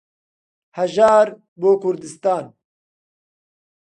هەژار بۆ کوردستان